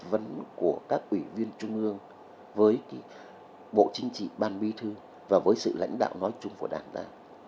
với các quỷ viên trung ương với bộ chính trị ban bi thư và với sự lãnh đạo nói chung của đảng ta